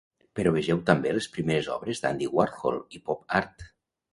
Però vegeu també les primeres obres d'Andy Warhol i pop art.